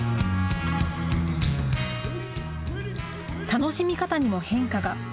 楽しみ方にも変化が。